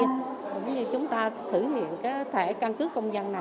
cũng như chúng ta thử nghiệm cái thẻ căn cước công dân này